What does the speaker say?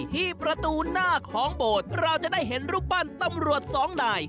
ที่ประตูหน้าของโบสถ์เราจะได้เห็นรูปปั้นตำรวจสองนาย